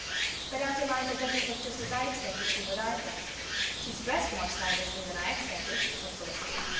But Aunt Eliza doesn't look just as I expected she would either." "She's dressed more stylishly than I expected," said Felicity.